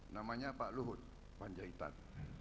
namanya pak luhut panjaitan